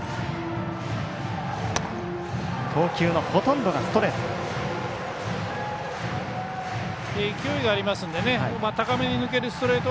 投球のほとんどがストレート。